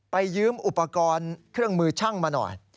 ยืมอุปกรณ์เครื่องมือช่างมาหน่อย